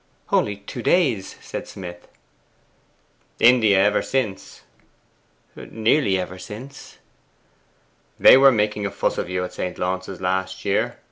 'Only two days,' said Smith. 'India ever since?' 'Nearly ever since.' 'They were making a fuss about you at St. Launce's last year.